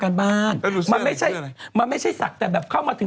คุณมานั่งถามอันดับไหน